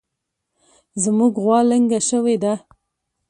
زمونږ غوا لنګه شوې ده